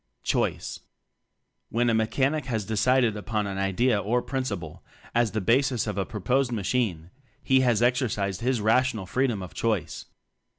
Choice. A\ hen a Mechanic has decided upon an idea or principle as the basis of a proposed machine, he has exercised his rational freedom of choice.